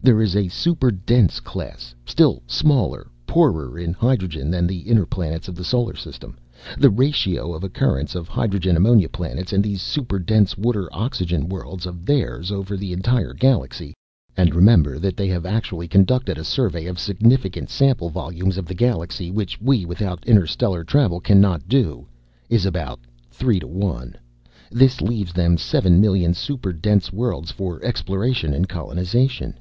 There is a super dense class, still smaller, poorer in hydrogen, than the inner planets of the solar system. The ratio of occurrence of hydrogen ammonia planets and these super dense water oxygen worlds of theirs over the entire Galaxy and remember that they have actually conducted a survey of significant sample volumes of the Galaxy which we, without interstellar travel, cannot do is about 3 to 1. This leaves them seven million super dense worlds for exploration and colonization."